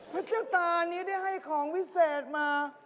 พระเจ้าตานี้ได้ให้ของวิเศษมา